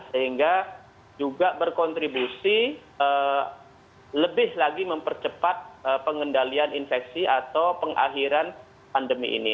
sehingga juga berkontribusi lebih lagi mempercepat pengendalian infeksi atau pengakhiran pandemi ini